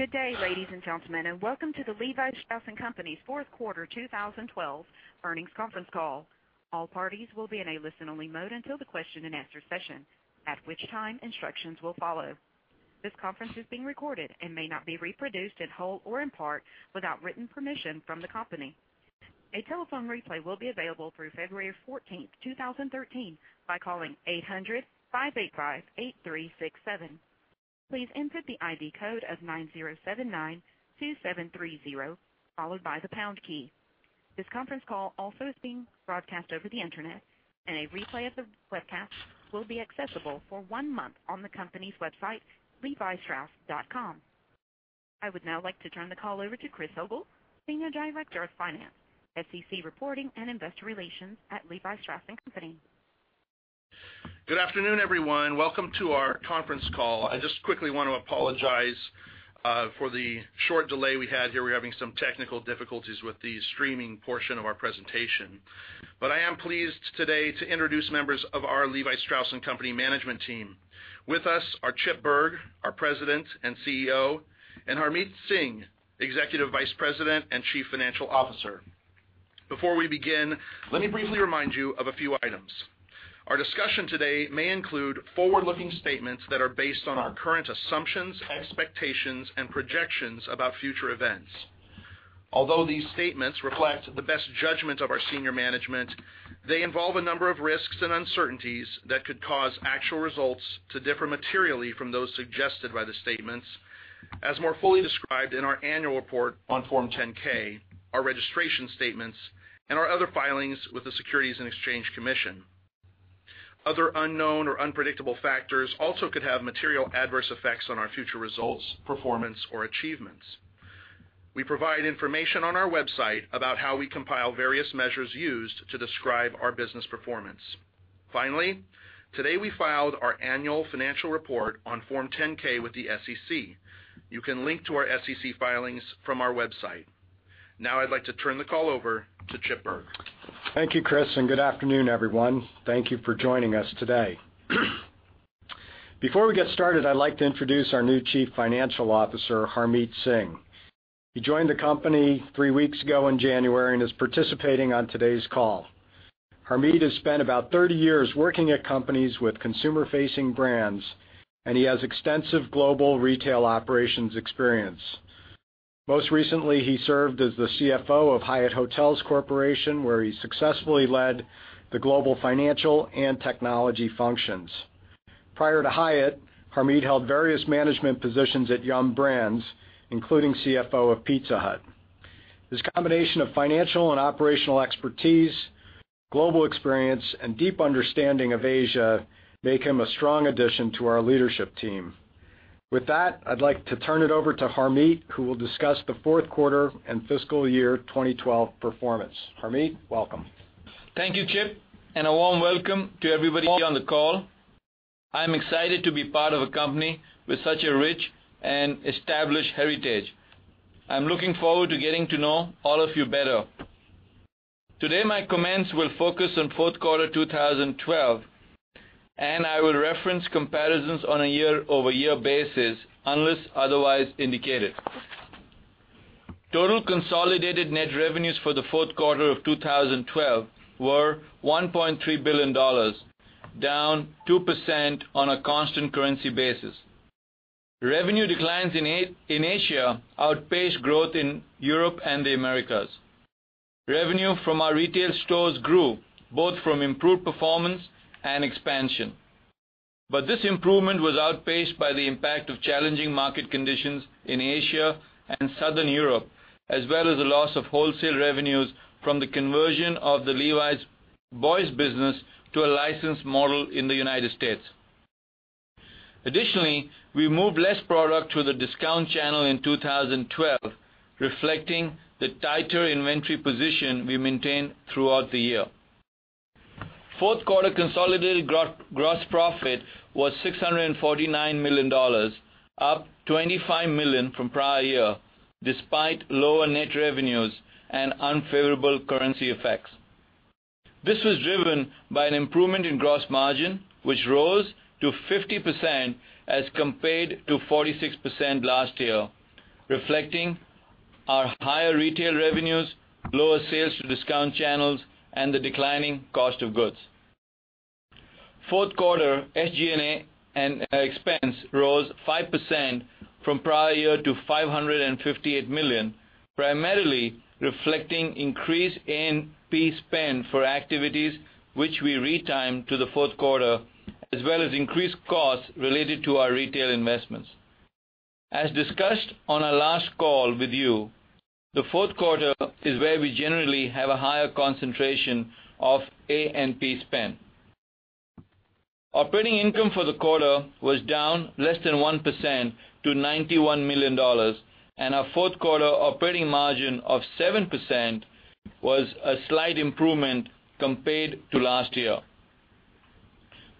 Good day, ladies and gentlemen, and welcome to the Levi Strauss & Co.'s fourth quarter 2012 earnings conference call. All parties will be in a listen-only mode until the question and answer session, at which time instructions will follow. This conference is being recorded and may not be reproduced in whole or in part without written permission from the company. A telephone replay will be available through February 14th, 2013 by calling 800-585-8367. Please input the ID code of 9079 2730, followed by the pound key. This conference call also is being broadcast over the Internet, and a replay of the webcast will be accessible for one month on the company's website, levistrauss.com. I would now like to turn the call over to Chris Ogle, Senior Director of Finance, SEC Reporting and Investor Relations at Levi Strauss & Company. Good afternoon, everyone. Welcome to our conference call. I just quickly want to apologize for the short delay we had here. We're having some technical difficulties with the streaming portion of our presentation. I am pleased today to introduce members of our Levi Strauss & Company management team. With us are Chip Bergh, our President and CEO, and Harmit Singh, Executive Vice President and Chief Financial Officer. Before we begin, let me briefly remind you of a few items. Our discussion today may include forward-looking statements that are based on our current assumptions, expectations, and projections about future events. Although these statements reflect the best judgment of our senior management, they involve a number of risks and uncertainties that could cause actual results to differ materially from those suggested by the statements, as more fully described in our annual report on Form 10-K, our registration statements, and our other filings with the Securities and Exchange Commission. Other unknown or unpredictable factors also could have material adverse effects on our future results, performance, or achievements. We provide information on our website about how we compile various measures used to describe our business performance. Finally, today we filed our annual financial report on Form 10-K with the SEC. You can link to our SEC filings from our website. Now I'd like to turn the call over to Chip Bergh. Thank you, Chris, and good afternoon, everyone. Thank you for joining us today. Before we get started, I'd like to introduce our new Chief Financial Officer, Harmit Singh. He joined the company three weeks ago in January and is participating on today's call. Harmit has spent about 30 years working at companies with consumer-facing brands, and he has extensive global retail operations experience. Most recently, he served as the CFO of Hyatt Hotels Corporation, where he successfully led the global financial and technology functions. Prior to Hyatt, Harmit held various management positions at Yum! Brands, including CFO of Pizza Hut. His combination of financial and operational expertise, global experience, and deep understanding of Asia make him a strong addition to our leadership team. With that, I'd like to turn it over to Harmit, who will discuss the fourth quarter and fiscal year 2012 performance. Harmit, welcome. Thank you, Chip, and a warm welcome to everybody on the call. I'm excited to be part of a company with such a rich and established heritage. I'm looking forward to getting to know all of you better. Today, my comments will focus on fourth quarter 2012, and I will reference comparisons on a year-over-year basis unless otherwise indicated. Total consolidated net revenues for the fourth quarter of 2012 were $1.3 billion, down 2% on a constant currency basis. Revenue declines in Asia outpaced growth in Europe and the Americas. Revenue from our retail stores grew, both from improved performance and expansion. This improvement was outpaced by the impact of challenging market conditions in Asia and Southern Europe, as well as the loss of wholesale revenues from the conversion of the Levi's boys business to a licensed model in the United States. Additionally, we moved less product through the discount channel in 2012, reflecting the tighter inventory position we maintained throughout the year. Fourth quarter consolidated gross profit was $649 million, up $25 million from prior year, despite lower net revenues and unfavorable currency effects. This was driven by an improvement in gross margin, which rose to 50% as compared to 46% last year, reflecting our higher retail revenues, lower sales to discount channels, and the declining cost of goods. Fourth quarter SG&A and expense rose 5% from prior year to $558 million, primarily reflecting increased A&P spend for activities which we re-timed to the fourth quarter, as well as increased costs related to our retail investments. As discussed on our last call with you, the fourth quarter is where we generally have a higher concentration of A&P spend. Operating income for the quarter was down less than 1% to $91 million, and our fourth quarter operating margin of 7% was a slight improvement compared to last year.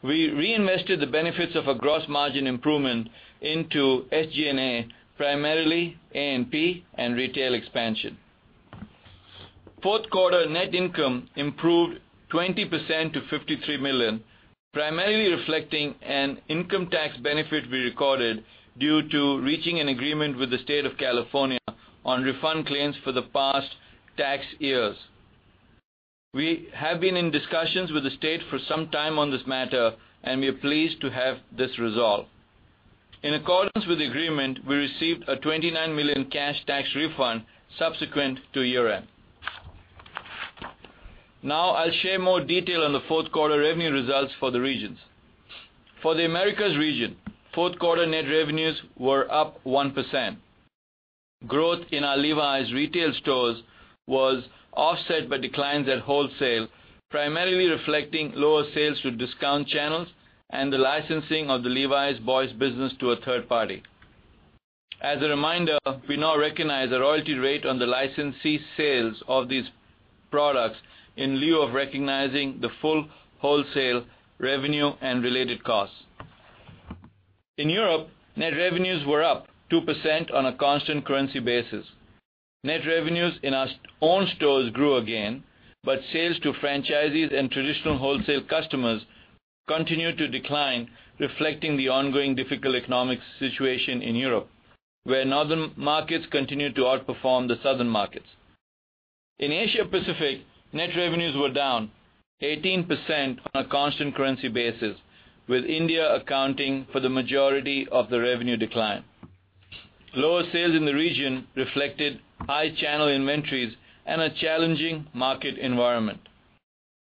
We reinvested the benefits of a gross margin improvement into SG&A, primarily A&P and retail expansion. Fourth quarter net income improved 20% to $53 million, primarily reflecting an income tax benefit we recorded due to reaching an agreement with the state of California on refund claims for the past tax years. We have been in discussions with the state for some time on this matter, and we are pleased to have this resolved. In accordance with the agreement, we received a $29 million cash tax refund subsequent to year-end. I'll share more detail on the fourth quarter revenue results for the regions. For the Americas region, fourth quarter net revenues were up 1%. Growth in our Levi's retail stores was offset by declines at wholesale, primarily reflecting lower sales to discount channels and the licensing of the Levi's boys business to a third party. As a reminder, we now recognize a royalty rate on the licensee sales of these products in lieu of recognizing the full wholesale revenue and related costs. In Europe, net revenues were up 2% on a constant currency basis. Net revenues in our own stores grew again, sales to franchisees and traditional wholesale customers continued to decline, reflecting the ongoing difficult economic situation in Europe, where northern markets continued to outperform the southern markets. In Asia Pacific, net revenues were down 18% on a constant currency basis, with India accounting for the majority of the revenue decline. Lower sales in the region reflected high channel inventories and a challenging market environment.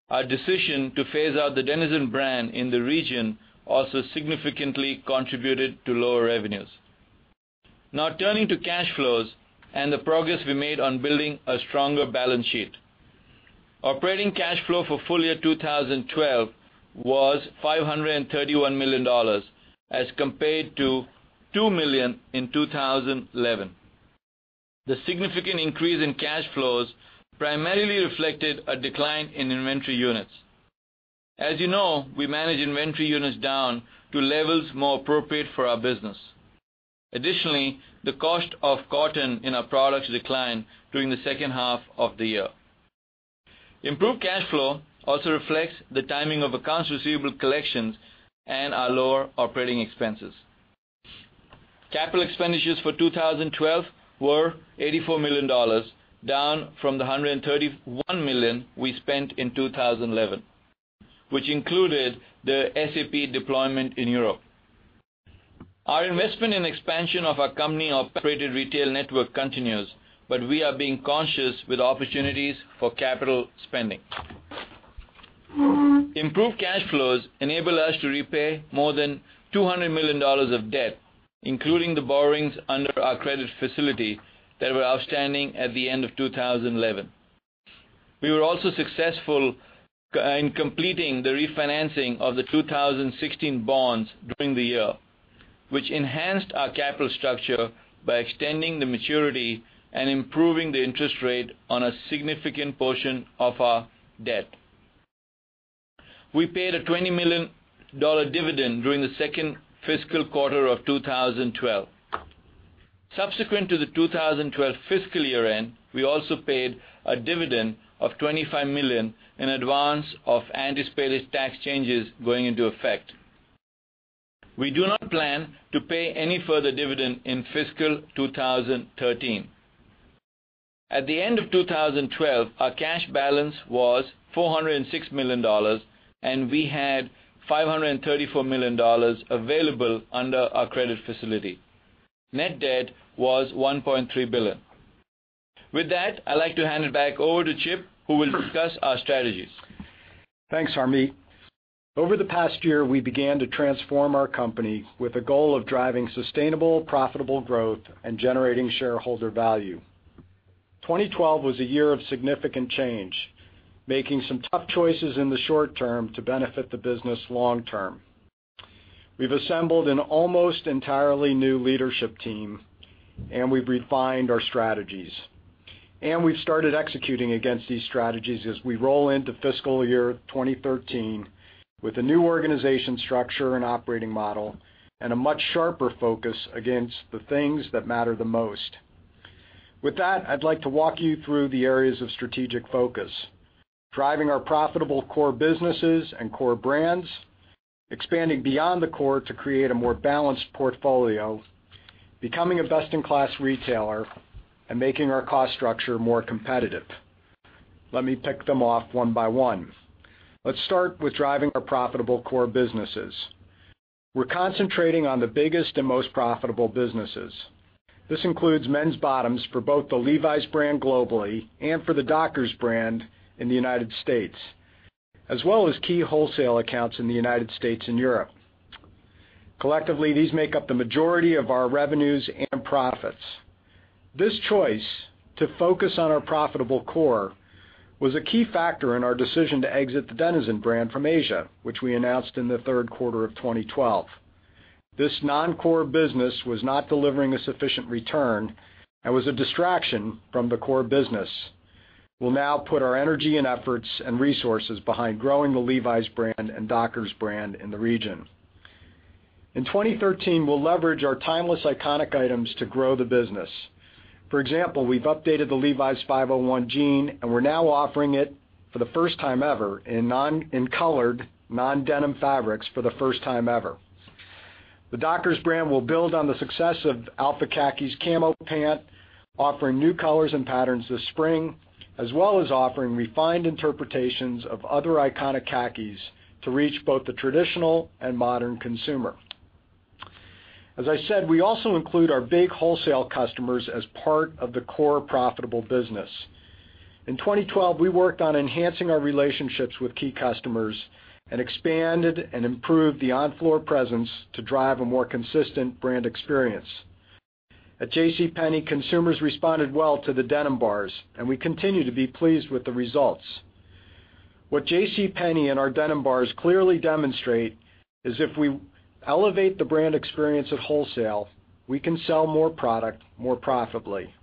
Our decision to phase out the Denizen brand in the region also significantly contributed to lower revenues. Turning to cash flows and the progress we made on building a stronger balance sheet. Operating cash flow for full year 2012 was $531 million as compared to $2 million in 2011. The significant increase in cash flows primarily reflected a decline in inventory units. As you know, we manage inventory units down to levels more appropriate for our business. Additionally, the cost of cotton in our products declined during the second half of the year. Improved cash flow also reflects the timing of accounts receivable collections and our lower operating expenses. Capital expenditures for 2012 were $84 million, down from the $131 million we spent in 2011, which included the SAP deployment in Europe. Our investment and expansion of our company operated retail network continues. We are being cautious with opportunities for capital spending. Improved cash flows enable us to repay more than $200 million of debt, including the borrowings under our credit facility that were outstanding at the end of 2011. We were also successful in completing the refinancing of the 2016 bonds during the year, which enhanced our capital structure by extending the maturity and improving the interest rate on a significant portion of our debt. We paid a $20 million dividend during the second fiscal quarter of 2012. Subsequent to the 2012 fiscal year-end, we also paid a dividend of $25 million in advance of anticipated tax changes going into effect. We do not plan to pay any further dividend in fiscal 2013. At the end of 2012, our cash balance was $406 million, and we had $534 million available under our credit facility. Net debt was $1.3 billion. With that, I'd like to hand it back over to Chip, who will discuss our strategies. Thanks, Harmit. Over the past year, we began to transform our company with a goal of driving sustainable, profitable growth and generating shareholder value. 2012 was a year of significant change, making some tough choices in the short term to benefit the business long term. We've assembled an almost entirely new leadership team. We've refined our strategies. We've started executing against these strategies as we roll into fiscal year 2013 with a new organization structure and operating model, a much sharper focus against the things that matter the most. With that, I'd like to walk you through the areas of strategic focus. Driving our profitable core businesses and core brands, expanding beyond the core to create a more balanced portfolio, becoming a best-in-class retailer, making our cost structure more competitive. Let me tick them off one by one. Let's start with driving our profitable core businesses. We're concentrating on the biggest and most profitable businesses. This includes men's bottoms for both the Levi's brand globally and for the Dockers brand in the United States, as well as key wholesale accounts in the United States and Europe. Collectively, these make up the majority of our revenues and profits. This choice to focus on our profitable core was a key factor in our decision to exit the Denizen brand from Asia, which we announced in the third quarter of 2012. This non-core business was not delivering a sufficient return and was a distraction from the core business. We'll now put our energy and efforts, and resources behind growing the Levi's brand and Dockers brand in the region. In 2013, we'll leverage our timeless iconic items to grow the business. For example, we've updated the Levi's 501 jean. We're now offering it for the first time ever in colored, non-denim fabrics for the first time ever. The Dockers brand will build on the success of Alpha Khaki camo pant, offering new colors and patterns this spring, as well as offering refined interpretations of other iconic khakis to reach both the traditional and modern consumer. As I said, we also include our big wholesale customers as part of the core profitable business. In 2012, we worked on enhancing our relationships with key customers and expanded and improved the on-floor presence to drive a more consistent brand experience. At JCPenney, consumers responded well to the denim bars. We continue to be pleased with the results. What JCPenney and our denim bars clearly demonstrate is if we elevate the brand experience at wholesale, we can sell more product, more profitably.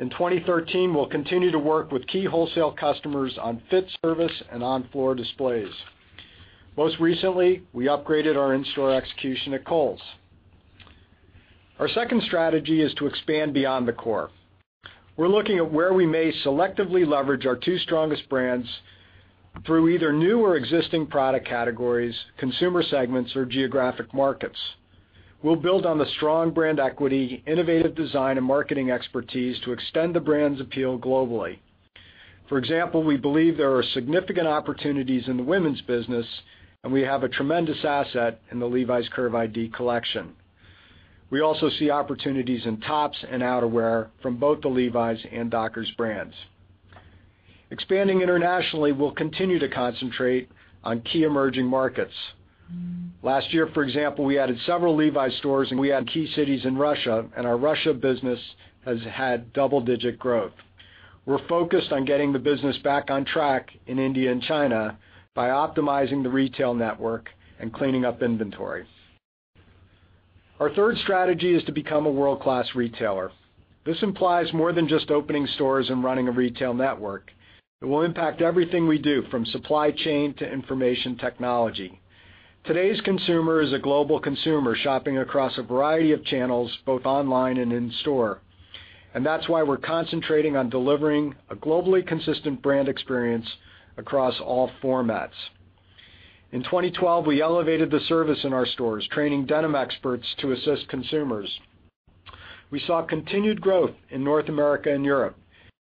In 2013, we'll continue to work with key wholesale customers on fit service and on-floor displays. Most recently, we upgraded our in-store execution at Kohl's. Our second strategy is to expand beyond the core. We're looking at where we may selectively leverage our two strongest brands through either new or existing product categories, consumer segments, or geographic markets. We'll build on the strong brand equity, innovative design, and marketing expertise to extend the brand's appeal globally. For example, we believe there are significant opportunities in the women's business. We have a tremendous asset in the Levi's Curve ID collection. We also see opportunities in tops and outerwear from both the Levi's and Dockers brands. Expanding internationally, we'll continue to concentrate on key emerging markets. Last year, for example, we added several Levi's stores in key cities in Russia. Our Russia business has had double-digit growth. We're focused on getting the business back on track in India and China by optimizing the retail network and cleaning up inventory. Our third strategy is to become a world-class retailer. This implies more than just opening stores and running a retail network. It will impact everything we do, from supply chain to information technology. Today's consumer is a global consumer, shopping across a variety of channels, both online and in-store. That's why we're concentrating on delivering a globally consistent brand experience across all formats. In 2012, we elevated the service in our stores, training denim experts to assist consumers. We saw continued growth in North America and Europe.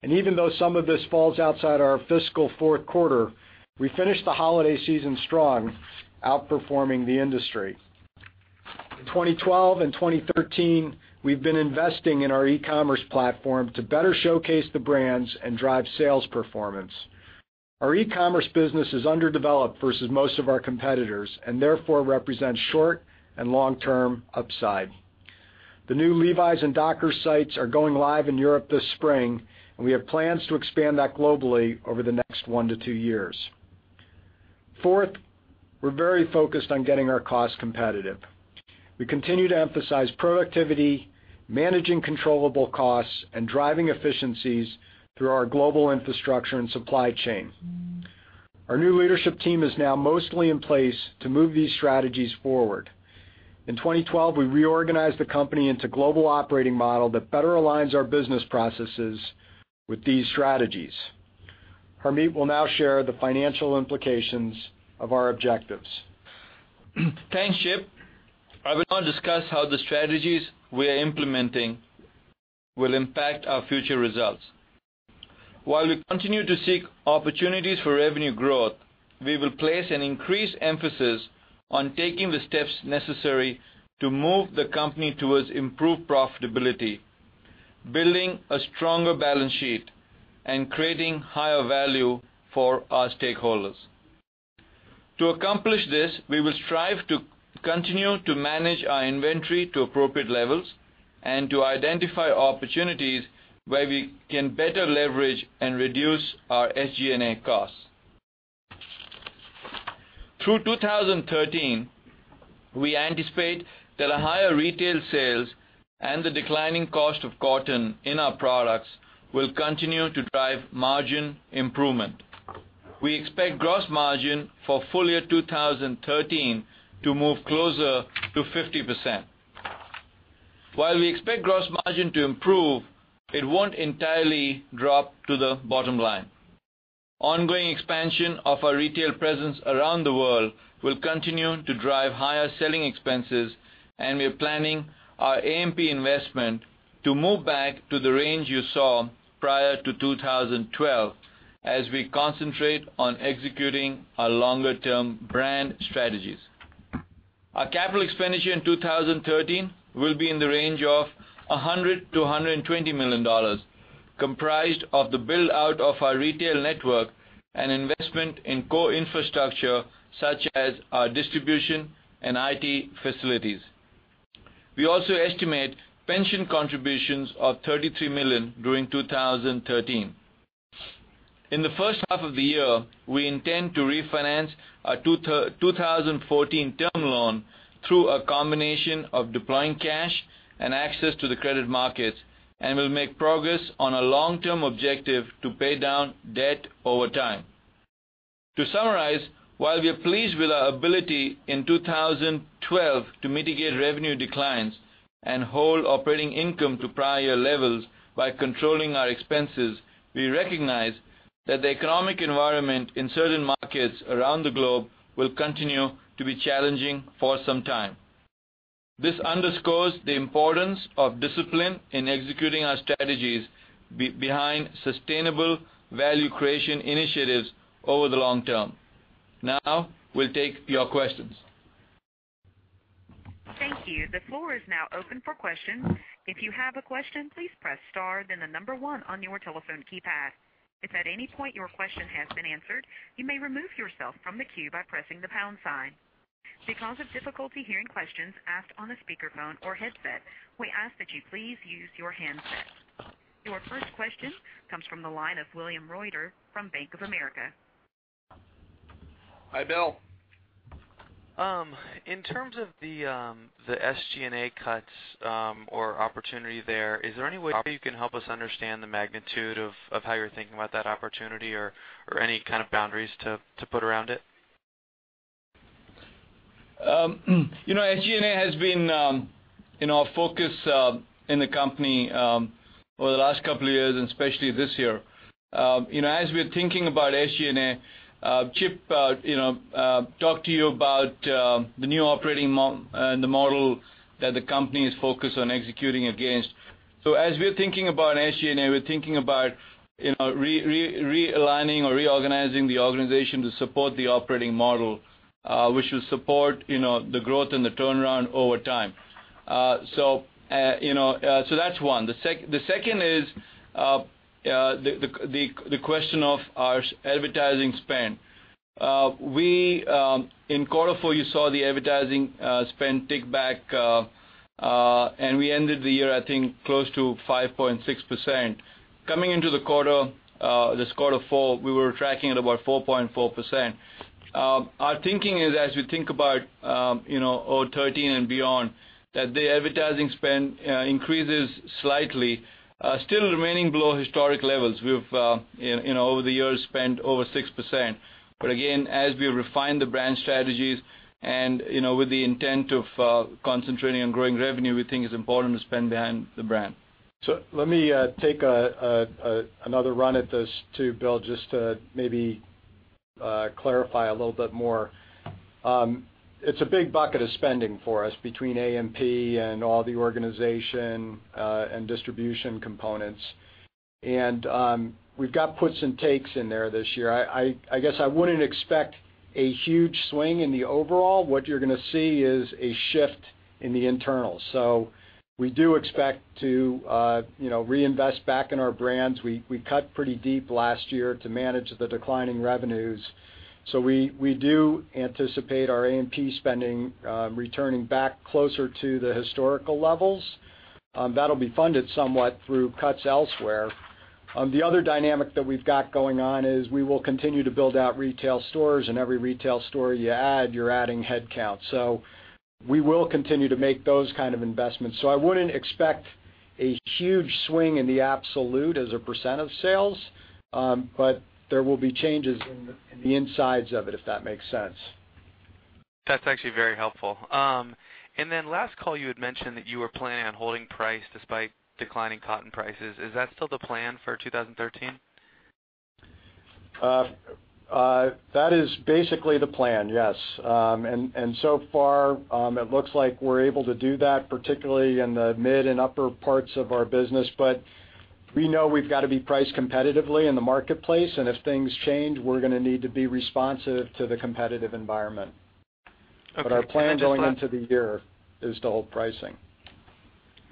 Even though some of this falls outside our fiscal fourth quarter, we finished the holiday season strong, outperforming the industry. In 2012 and 2013, we've been investing in our e-commerce platform to better showcase the brands and drive sales performance. Our e-commerce business is underdeveloped versus most of our competitors and therefore represents short- and long-term upside. The new Levi's and Dockers sites are going live in Europe this spring, and we have plans to expand that globally over the next one to two years. Fourth, we're very focused on getting our costs competitive. We continue to emphasize productivity, managing controllable costs, and driving efficiencies through our global infrastructure and supply chain. Our new leadership team is now mostly in place to move these strategies forward. In 2012, we reorganized the company into a global operating model that better aligns our business processes with these strategies. Harmit will now share the financial implications of our objectives. Thanks, Chip. I will now discuss how the strategies we're implementing will impact our future results. While we continue to seek opportunities for revenue growth, we will place an increased emphasis on taking the steps necessary to move the company towards improved profitability, building a stronger balance sheet, and creating higher value for our stakeholders. To accomplish this, we will strive to continue to manage our inventory to appropriate levels and to identify opportunities where we can better leverage and reduce our SG&A costs. Through 2013, we anticipate that higher retail sales and the declining cost of cotton in our products will continue to drive margin improvement. We expect gross margin for full year 2013 to move closer to 50%. While we expect gross margin to improve, it won't entirely drop to the bottom line. Ongoing expansion of our retail presence around the world will continue to drive higher selling expenses. We're planning our A&P investment to move back to the range you saw prior to 2012 as we concentrate on executing our longer-term brand strategies. Our capital expenditure in 2013 will be in the range of $100 million-$120 million, comprised of the build-out of our retail network and investment in core infrastructure, such as our distribution and IT facilities. We also estimate pension contributions of $33 million during 2013. In the first half of the year, we intend to refinance our 2014 term loan through a combination of deploying cash and access to the credit markets and will make progress on our long-term objective to pay down debt over time. To summarize, while we are pleased with our ability in 2012 to mitigate revenue declines and hold operating income to prior levels by controlling our expenses, we recognize that the economic environment in certain markets around the globe will continue to be challenging for some time. This underscores the importance of discipline in executing our strategies behind sustainable value creation initiatives over the long term. Now, we'll take your questions. Thank you. The floor is now open for questions. If you have a question, please press star, then the number 1 on your telephone keypad. If at any point your question has been answered, you may remove yourself from the queue by pressing the pound sign. Because of difficulty hearing questions asked on a speakerphone or headset, we ask that you please use your handset. Your first question comes from the line of William Reuter from Bank of America. Hi, Bill. In terms of the SG&A cuts or opportunity there, is there any way you can help us understand the magnitude of how you're thinking about that opportunity or any kind of boundaries to put around it? SG&A has been a focus in the company over the last couple of years and especially this year. As we are thinking about SG&A, Chip talked to you about the new operating model that the company is focused on executing against. As we're thinking about SG&A, we're thinking about realigning or reorganizing the organization to support the operating model, which will support the growth and the turnaround over time. That's one. The second is the question of our advertising spend. In quarter four, you saw the advertising spend tick back, and we ended the year, I think, close to 5.6%. Coming into this quarter four, we were tracking at about 4.4%. Our thinking is, as we think about '13 and beyond, that the advertising spend increases slightly, still remaining below historic levels. We've, over the years, spent over 6%. Again, as we refine the brand strategies and with the intent of concentrating on growing revenue, we think it's important to spend behind the brand. Let me take another run at this too, Bill, just to maybe clarify a little bit more. It's a big bucket of spending for us between A&P and all the organization and distribution components. We've got puts and takes in there this year. I guess I wouldn't expect a huge swing in the overall. What you're going to see is a shift in the internals. We do expect to reinvest back in our brands. We cut pretty deep last year to manage the declining revenues. We do anticipate our A&P spending returning back closer to the historical levels. That'll be funded somewhat through cuts elsewhere. The other dynamic that we've got going on is we will continue to build out retail stores, and every retail store you add, you're adding headcount. We will continue to make those kind of investments. I wouldn't expect a huge swing in the absolute as a % of sales. There will be changes in the insides of it, if that makes sense. That's actually very helpful. Then last call, you had mentioned that you were planning on holding price despite declining cotton prices. Is that still the plan for 2013? That is basically the plan, yes. So far, it looks like we're able to do that, particularly in the mid and upper parts of our business. We know we've got to be priced competitively in the marketplace, and if things change, we're going to need to be responsive to the competitive environment. Okay. Our plan going into the year is to hold pricing.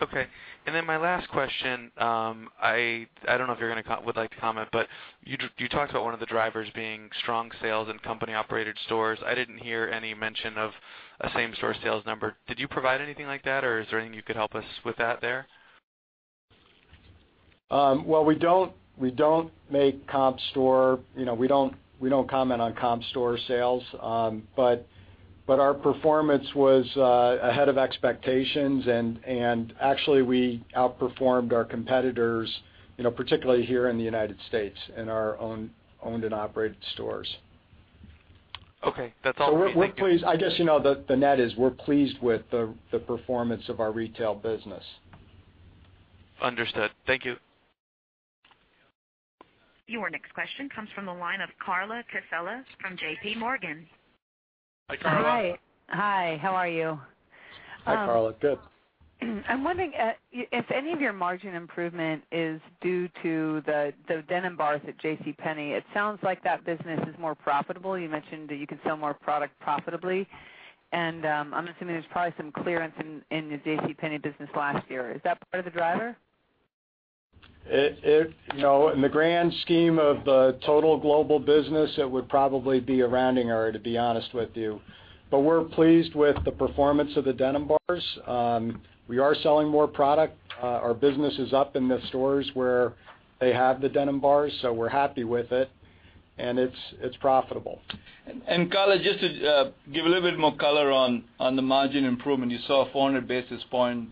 Okay. My last question, I don't know if you would like to comment, you talked about one of the drivers being strong sales in company-operated stores. I didn't hear any mention of a same-store sales number. Did you provide anything like that, or is there anything you could help us with that there? Well, we don't comment on comp store sales. Our performance was ahead of expectations, and actually, we outperformed our competitors, particularly here in the U.S., in our owned and operated stores. Okay. That's all for me. Thank you. I guess, the net is we're pleased with the performance of our retail business. Understood. Thank you. Your next question comes from the line of Carla Casella from JPMorgan. Hi, Carla. Hi. How are you? Hi, Carla. Good. I'm wondering if any of your margin improvement is due to the denim bars at JCPenney. It sounds like that business is more profitable. You mentioned that you can sell more product profitably. I'm assuming there's probably some clearance in the JCPenney business last year. Is that part of the driver? In the grand scheme of the total global business, it would probably be a rounding error, to be honest with you. We're pleased with the performance of the denim bars. We are selling more product. Our business is up in the stores where they have the denim bars, we're happy with it. It's profitable. Carla, just to give a little bit more color on the margin improvement. You saw a 400 basis point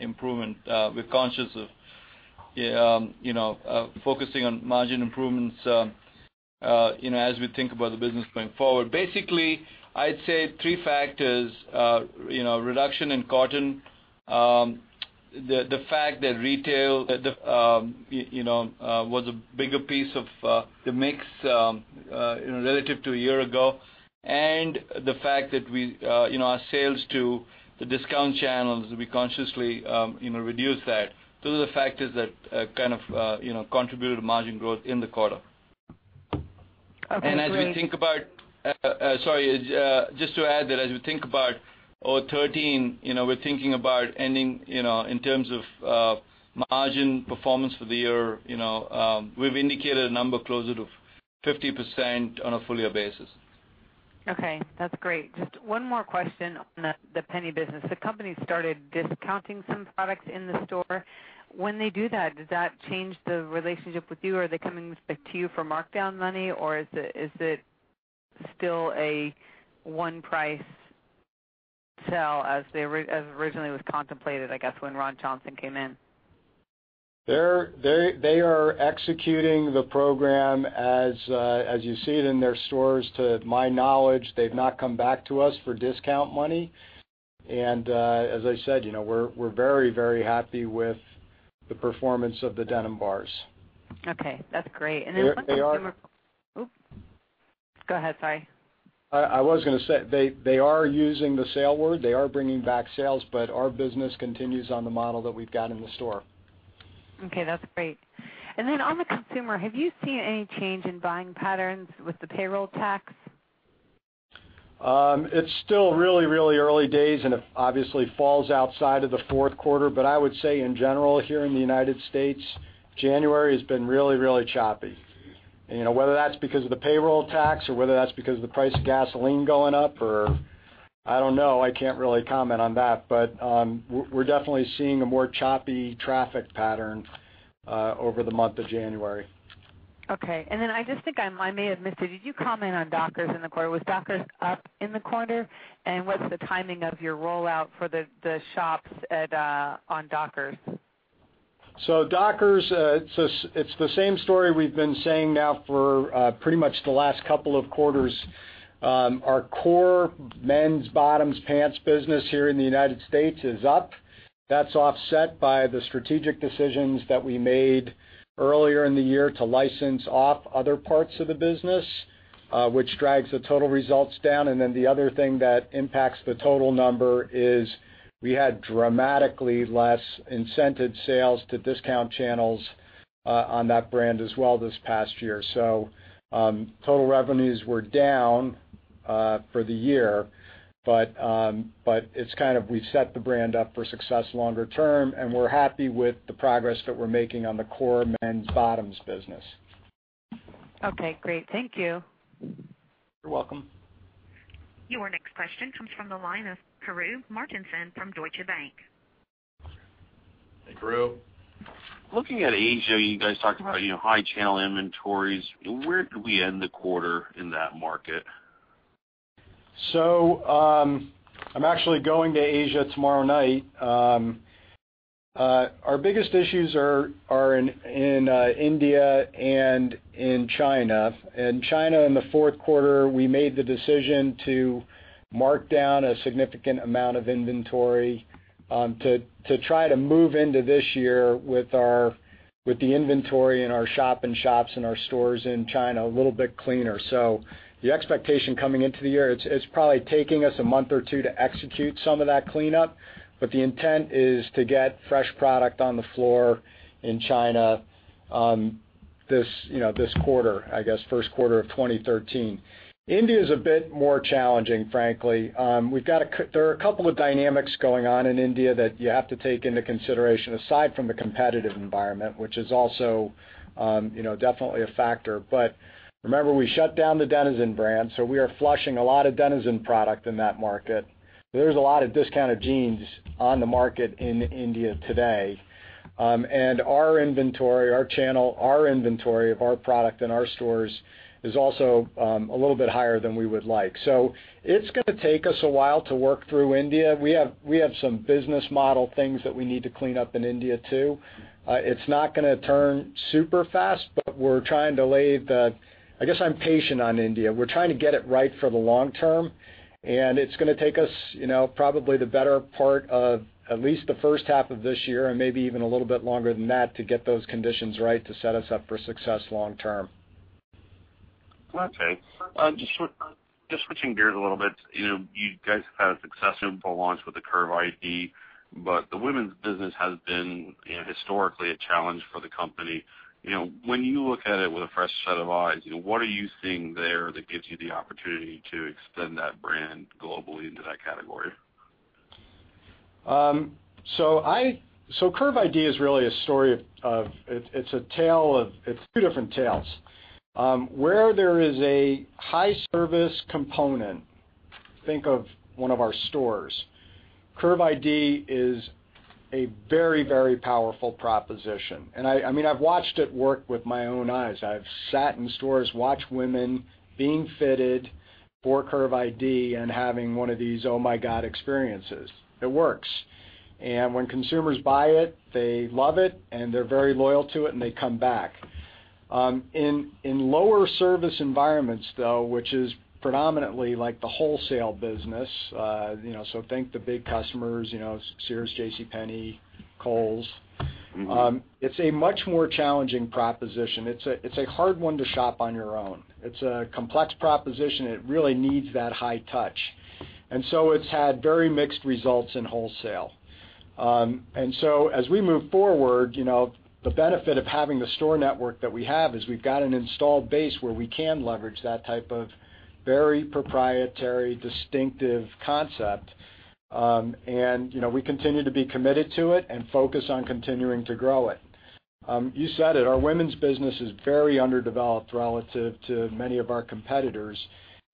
improvement. We're conscious of focusing on margin improvements as we think about the business going forward. Basically, I'd say three factors: reduction in cotton, the fact that retail was a bigger piece of the mix relative to a year ago, and the fact that our sales to the discount channels, we consciously reduced that. Those are the factors that contributed to margin growth in the quarter. Okay, great. Sorry. Just to add that as we think about FY 2013, we're thinking about ending, in terms of margin performance for the year, we've indicated a number closer to 50% on a full year basis. Okay. That's great. Just one more question on the Penney business. The company started discounting some products in the store. When they do that, does that change the relationship with you? Are they coming back to you for markdown money, or is it still a one-price sell as originally was contemplated, I guess, when Ron Johnson came in? They are executing the program as you see it in their stores. To my knowledge, they've not come back to us for discount money. As I said, we're very happy with the performance of the denim bars. Okay. That's great. Then one more. They are. Oops. Go ahead, sorry. I was going to say, they are using the sale word. They are bringing back sales. Our business continues on the model that we've got in the store. Okay, that's great. Then on the consumer, have you seen any change in buying patterns with the payroll tax? It's still really early days. It obviously falls outside of the fourth quarter. I would say in general here in the U.S., January has been really choppy. Whether that's because of the payroll tax or whether that's because of the price of gasoline going up, I don't know. I can't really comment on that. We're definitely seeing a more choppy traffic pattern over the month of January. Okay. Then I just think I may have missed it. Did you comment on Dockers in the quarter? Was Dockers up in the quarter? What's the timing of your rollout for the shops on Dockers? Dockers, it's the same story we've been saying now for pretty much the last couple of quarters. Our core men's bottoms pants business here in the U.S. is up. That's offset by the strategic decisions that we made earlier in the year to license off other parts of the business, which drags the total results down. Then the other thing that impacts the total number is we had dramatically less incented sales to discount channels on that brand as well this past year. Total revenues were down for the year, but we set the brand up for success longer term, and we're happy with the progress that we're making on the core men's bottoms business. Okay, great. Thank you. You're welcome. Your next question comes from the line of Karru Martinson from Deutsche Bank. Hey, Karru. Looking at Asia, you guys talked about high channel inventories. Where did we end the quarter in that market? I'm actually going to Asia tomorrow night. Our biggest issues are in India and in China. In China in the fourth quarter, we made the decision to mark down a significant amount of inventory to try to move into this year with the inventory in our shop-in-shops and our stores in China a little bit cleaner. The expectation coming into the year, it's probably taking us a month or two to execute some of that cleanup, but the intent is to get fresh product on the floor in China this quarter, I guess, first quarter of 2013. India's a bit more challenging, frankly. There are a couple of dynamics going on in India that you have to take into consideration, aside from the competitive environment, which is also definitely a factor. Remember, we shut down the Denizen brand, we are flushing a lot of Denizen product in that market. There's a lot of discounted jeans on the market in India today. Our inventory, our channel, our inventory of our product in our stores is also a little bit higher than we would like. It's going to take us a while to work through India. We have some business model things that we need to clean up in India, too. It's not going to turn super fast. I guess I'm patient on India. We're trying to get it right for the long term, and it's going to take us probably the better part of at least the first half of this year and maybe even a little bit longer than that to get those conditions right to set us up for success long term. Okay. Just switching gears a little bit. You guys have had a successful launch with the Curve ID, the women's business has been historically a challenge for the company. When you look at it with a fresh set of eyes, what are you seeing there that gives you the opportunity to extend that brand globally into that category? Curve ID is really a story of It's two different tales. Where there is a high-service component, think of one of our stores, Curve ID is a very powerful proposition. I've watched it work with my own eyes. I've sat in stores, watched women being fitted for Curve ID and having one of these "Oh my God" experiences. It works. When consumers buy it, they love it, and they're very loyal to it, and they come back. In lower service environments, though, which is predominantly the wholesale business. Think the big customers, Sears, JCPenney, Kohl's. It's a much more challenging proposition. It's a hard one to shop on your own. It's a complex proposition, it really needs that high touch. It's had very mixed results in wholesale. As we move forward, the benefit of having the store network that we have is we've got an installed base where we can leverage that type of very proprietary, distinctive concept. We continue to be committed to it and focus on continuing to grow it. You said it. Our women's business is very underdeveloped relative to many of our competitors,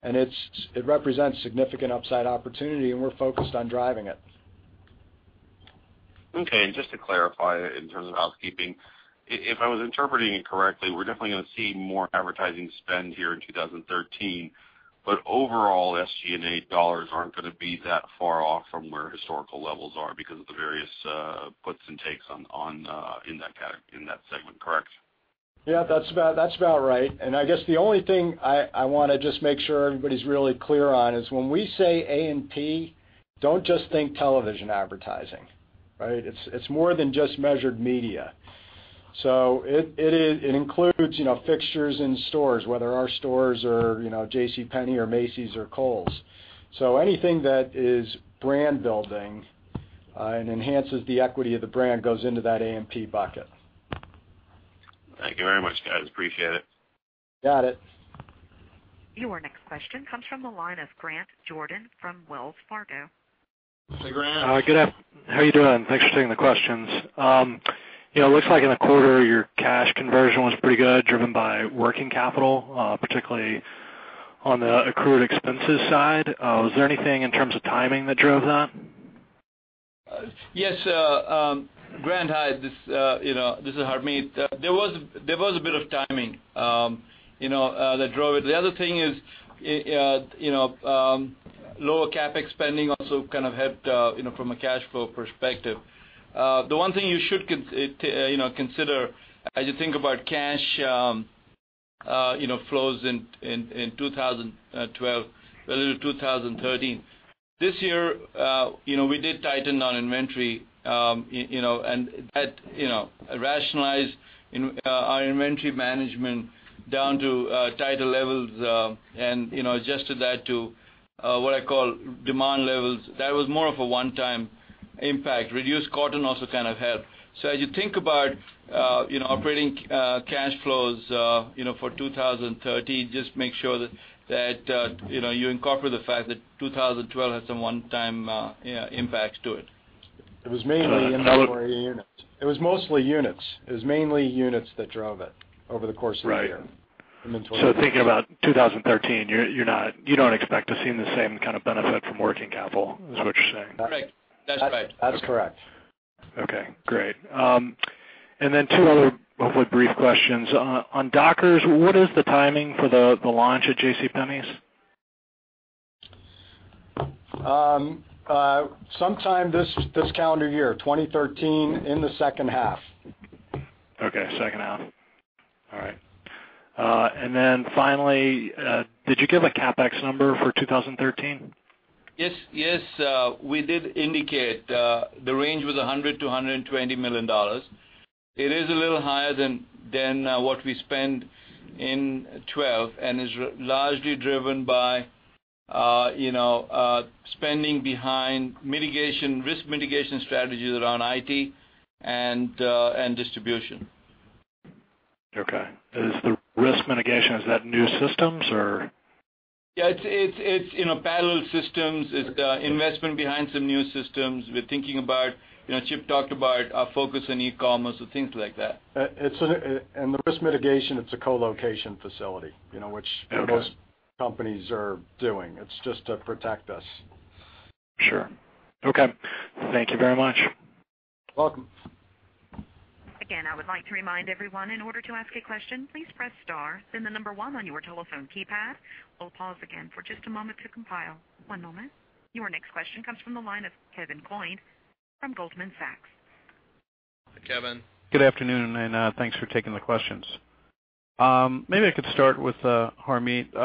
it represents significant upside opportunity, we're focused on driving it. Okay. Just to clarify, in terms of housekeeping, if I was interpreting it correctly, we're definitely going to see more advertising spend here in 2013. Overall, SG&A dollars aren't going to be that far off from where historical levels are because of the various puts and takes in that segment. Correct? Yeah, that's about right. I guess the only thing I want to just make sure everybody's really clear on is when we say A&P, don't just think television advertising. Right? It's more than just measured media. It includes fixtures in stores, whether our stores or JCPenney or Macy's or Kohl's. Anything that is brand-building, and enhances the equity of the brand goes into that A&P bucket. Thank you very much, guys. Appreciate it. Got it. Your next question comes from the line of Grant Jordan from Wells Fargo. Hey, Grant. Good afternoon. How are you doing? Thanks for taking the questions. It looks like in the quarter, your cash conversion was pretty good, driven by working capital, particularly on the accrued expenses side. Was there anything in terms of timing that drove that? Yes. Grant, hi. This is Harmit. There was a bit of timing that drove it. The other thing is lower CapEx spending also kind of helped from a cash flow perspective. The one thing you should consider as you think about cash flows in 2012 relative to 2013. This year, we did tighten on inventory, and that rationalized our inventory management down to tighter levels and adjusted that to what I call demand levels. That was more of a one-time impact. Reduced cotton also kind of helped. As you think about operating cash flows for 2013, just make sure that you incorporate the fact that 2012 had some one-time impacts to it. It was mainly inventory units. It was mostly units. It was mainly units that drove it over the course of the year. Right. Inventory. Thinking about 2013, you don't expect to see the same kind of benefit from working capital is what you're saying? Correct. That's right. That's correct. Okay, great. Two other hopefully brief questions. On Dockers, what is the timing for the launch at JCPenney? Sometime this calendar year, 2013, in the second half. Okay, second half. All right. Finally, did you give a CapEx number for 2013? Yes. We did indicate the range was $100 million-$120 million. It is a little higher than what we spent in 2012 and is largely driven by spending behind risk mitigation strategies around IT and distribution. Okay. Is the risk mitigation, is that new systems or? Yeah. It's parallel systems. It's investment behind some new systems. We're thinking about, Chip talked about our focus on e-commerce and things like that. The risk mitigation, it's a co-location facility. Okay. Which most companies are doing. It's just to protect us. Sure. Okay. Thank you very much. Welcome. Again, I would like to remind everyone, in order to ask a question, please press star, then the number one on your telephone keypad. We'll pause again for just a moment to compile. One moment. Your next question comes from the line of Kevin Coyne from Goldman Sachs. Hi, Kevin. Good afternoon, thanks for taking the questions. Maybe I could start with Harmit.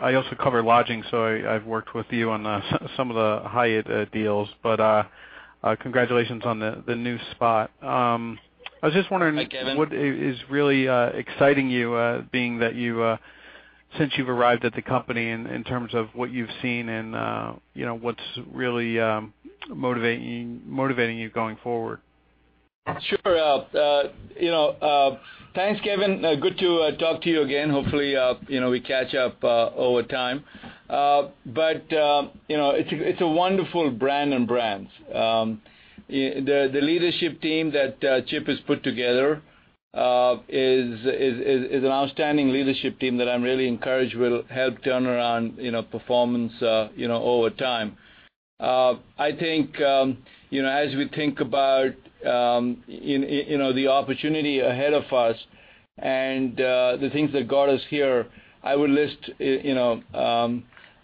I also cover lodging, so I've worked with you on some of the Hyatt deals. Congratulations on the new spot. I was just wondering- Hi, Kevin. What is really exciting you, since you've arrived at the company, in terms of what you've seen and what's really motivating you going forward? Sure. Thanks, Kevin. Good to talk to you again. Hopefully, we catch up over time. It's a wonderful brand and brands. The leadership team that Chip has put together is an outstanding leadership team that I'm really encouraged will help turn around performance over time. I think as we think about the opportunity ahead of us and the things that got us here, I would list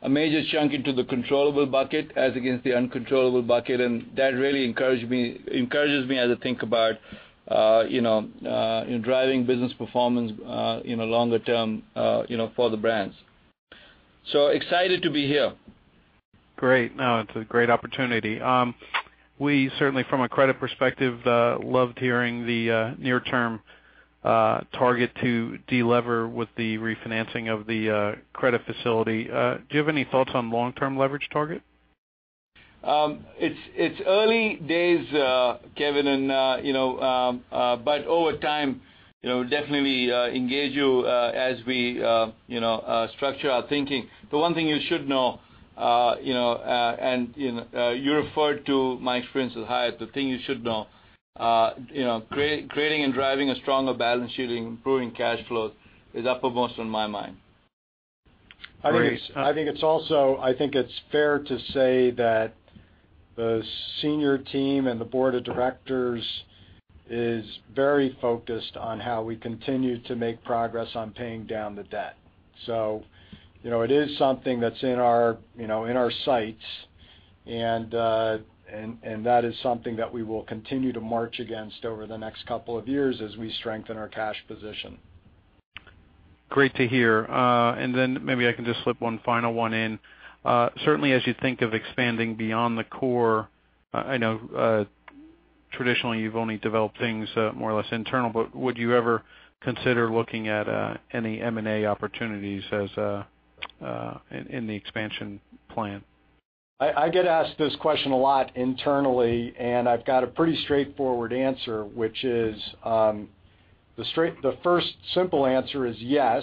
a major chunk into the controllable bucket as against the uncontrollable bucket, and that really encourages me as I think about driving business performance in a longer term for the brands. Excited to be here. Great. No, it's a great opportunity. We certainly, from a credit perspective, loved hearing the near-term target to de-lever with the refinancing of the credit facility. Do you have any thoughts on long-term leverage target? It's early days, Kevin. Over time, definitely we engage you as we structure our thinking. The one thing you should know, you referred to my experience with Hyatt. The thing you should know creating and driving a stronger balance sheet, improving cash flow is uppermost on my mind. Great. I think it's fair to say that the senior team and the board of directors is very focused on how we continue to make progress on paying down the debt. It is something that's in our sights, and that is something that we will continue to march against over the next couple of years as we strengthen our cash position. Great to hear. Maybe I can just slip one final one in. Certainly, as you think of expanding beyond the core, I know, traditionally, you've only developed things more or less internal, but would you ever consider looking at any M&A opportunities in the expansion plan? I get asked this question a lot internally, and I've got a pretty straightforward answer, which is, the first simple answer is yes.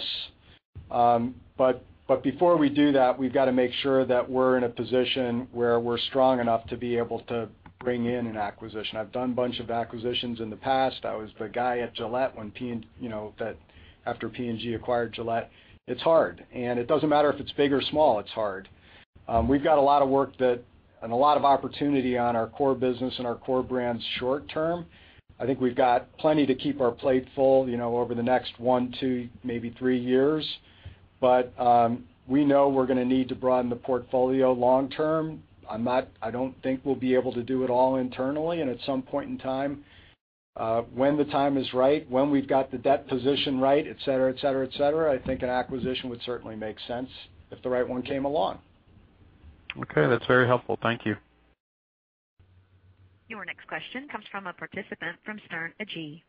Before we do that, we've got to make sure that we're in a position where we're strong enough to be able to bring in an acquisition. I've done bunch of acquisitions in the past. I was the guy at Gillette after P&G acquired Gillette. It's hard, and it doesn't matter if it's big or small, it's hard. We've got a lot of work and a lot of opportunity on our core business and our core brands short term. I think we've got plenty to keep our plate full over the next one, two, maybe three years. We know we're going to need to broaden the portfolio long term. I don't think we'll be able to do it all internally, and at some point in time, when the time is right, when we've got the debt position right, et cetera, I think an acquisition would certainly make sense if the right one came along. Okay. That's very helpful. Thank you. Your next question comes from a participant from Sterne Agee.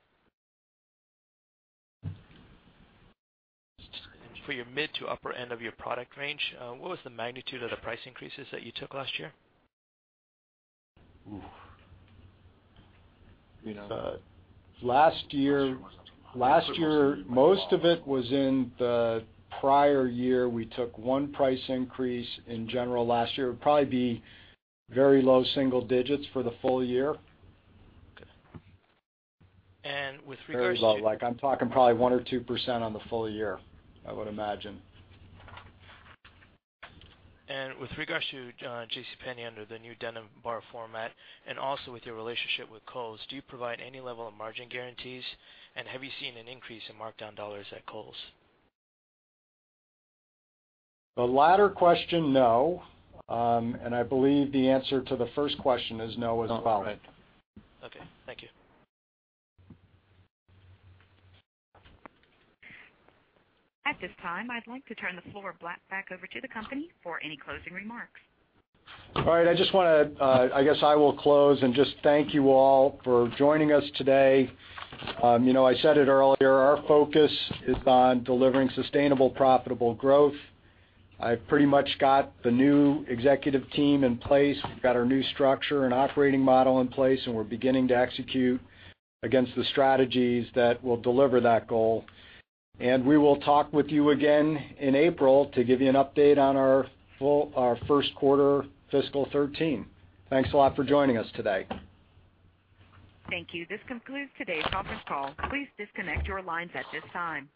For your mid to upper end of your product range, what was the magnitude of the price increases that you took last year? Last year, most of it was in the prior year. We took one price increase in general last year. It would probably be very low single digits for the full year. Okay. With regards to- Very low. I'm talking probably one or 2% on the full year, I would imagine. With regards to JCPenney under the new denim bar format, and also with your relationship with Kohl's, do you provide any level of margin guarantees? Have you seen an increase in markdown dollars at Kohl's? The latter question, no. I believe the answer to the first question is no as well. Okay. Thank you. At this time, I'd like to turn the floor back over to the company for any closing remarks. All right. I guess I will close and just thank you all for joining us today. I said it earlier, our focus is on delivering sustainable, profitable growth. I've pretty much got the new executive team in place. We've got our new structure and operating model in place, we're beginning to execute against the strategies that will deliver that goal. We will talk with you again in April to give you an update on our first quarter fiscal 2013. Thanks a lot for joining us today. Thank you. This concludes today's conference call. Please disconnect your lines at this time.